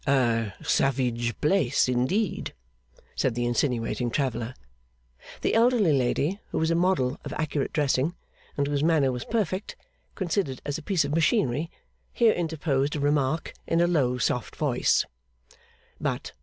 'A savage place indeed,' said the insinuating traveller. The elderly lady, who was a model of accurate dressing, and whose manner was perfect, considered as a piece of machinery, here interposed a remark in a low soft voice.